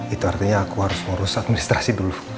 itu artinya aku harus ngurus administrasi dulu